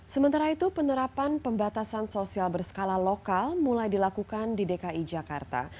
sementara itu penerapan pembatasan sosial berskala lokal mulai dilakukan di dki jakarta